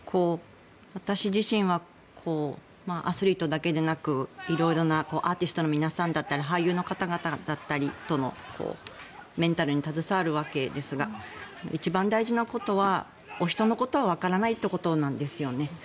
私自身はアスリートだけでなく色々なアーティストの皆さんだったり俳優の方々だったりとのメンタルに携わるわけですが一番大事なことは人のことはわからないということなんですよね。